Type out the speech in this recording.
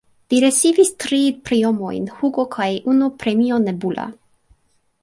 Li ricevis tri premiojn Hugo kaj unu premion Nebula.